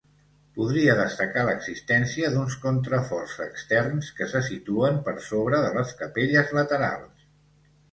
Podria destacar l'existència d'uns contraforts externs que se situen per sobre de les capelles laterals.